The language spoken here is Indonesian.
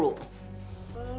lo perlu berhenti